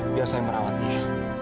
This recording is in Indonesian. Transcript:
biar saya merawat dia